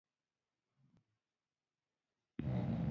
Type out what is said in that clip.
کوتره د باران نه ویره نه لري.